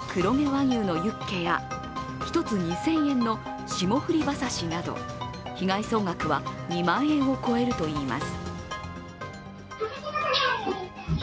盗まれたのは冷凍のハンバーグの他、黒毛和牛のユッケや１つ２０００円の霜降り馬刺しなど、被害総額は２万円を超えるといいます。